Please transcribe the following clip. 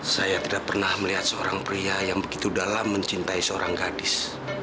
saya tidak pernah melihat seorang pria yang begitu dalam mencintai seorang gadis